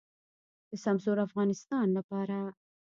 د سمسور افغانستان لپاره.